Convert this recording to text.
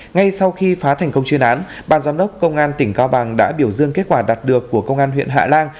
ngay sau khi phá thành công chuyên án ban giám đốc công an tỉnh cao bằng đã biểu dương kết quả đạt được của công an huyện hạ lan